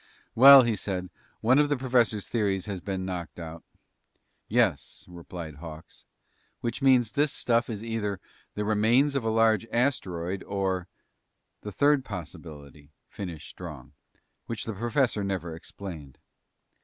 "Well," he said, "one of the professor's theories has been knocked out." "Yes," replied Hawks. "Which means this stuff is either the remains of a large asteroid or " "The third possibility," finished Strong, "which the professor never explained."